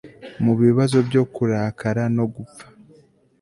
Mubibazo byo kurakara no gupfa